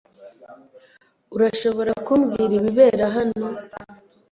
Urashobora kumbwira ibibera hano?